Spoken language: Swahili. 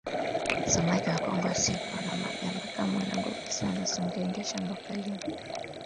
Huvua samaki na kunufaisha taifa kwa ujumla